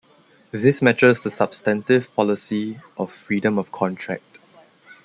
This matches the substantive policy of freedom of contract.